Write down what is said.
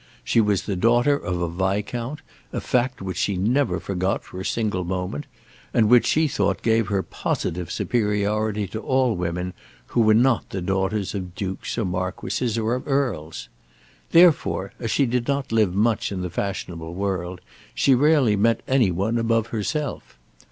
She was the daughter of a Viscount, a fact which she never forgot for a single moment, and which she thought gave her positive superiority to all women who were not the daughters of Dukes or Marquises, or of Earls. Therefore, as she did not live much in the fashionable world, she rarely met any one above herself.